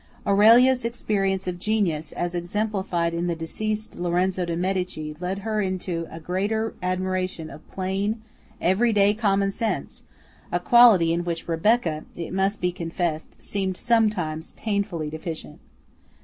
Aurelia's experience of genius, as exemplified in the deceased Lorenzo de Medici led her into a greater admiration of plain, every day common sense, a quality in which Rebecca, it must be confessed, seemed sometimes painfully deficient.